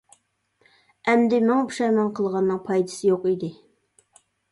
ئەمدى مىڭ پۇشايمان قىلغاننىڭ پايدىسى يوق ئىدى.